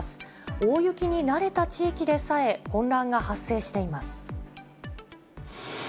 大雪に慣れた地域でさえ、混乱が発生しています。